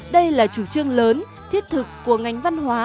đây là chủ trương lớn thiết thực của ngành văn hóa